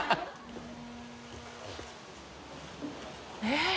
えっ？